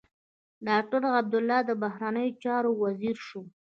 ډاکټر عبدالله د بهرنيو چارو وزیر شو.